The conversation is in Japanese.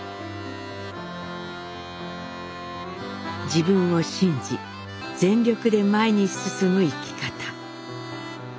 自分を信じ全力で前に進む生き方。